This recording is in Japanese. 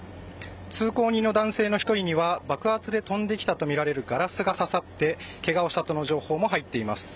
通行人の男性の１人には爆発で飛んできたとみられるガラスが刺さってけがをしたとの情報も入っています。